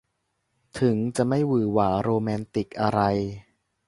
ถึงจะไม่หวือหวาโรแมนติกอะไร